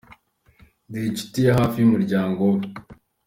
Ndi inshuti ya hafi y’umuryango we.